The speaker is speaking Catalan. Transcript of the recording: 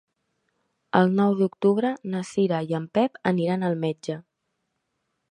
El nou d'octubre na Cira i en Pep aniran al metge.